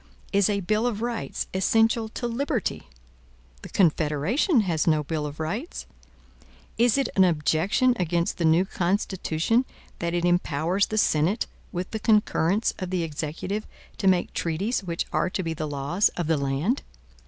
Is a bill of rights essential to liberty? The Confederation has no bill of rights. Is it an objection against the new Constitution, that it empowers the Senate, with the concurrence of the Executive, to make treaties which are to be the laws of the land?